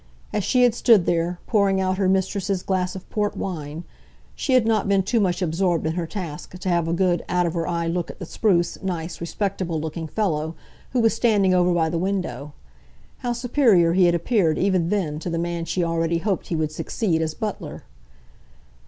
As she had stood there, pouring out her mistress's glass of port wine, she had not been too much absorbed in her task to have a good out of her eye look at the spruce, nice, respectable looking fellow who was standing over by the window. How superior he had appeared even then to the man she already hoped he would succeed as butler!